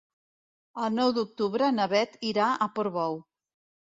El nou d'octubre na Beth irà a Portbou.